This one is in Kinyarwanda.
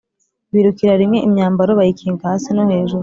birukira rimwe imyambaro bayikinga hasi no hejuru